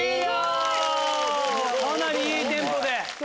かなりいいテンポで。